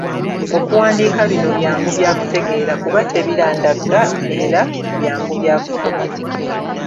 Okuwandiika bino byangu bya kutegeera kuba tebirandagga era byangu bya kusoma.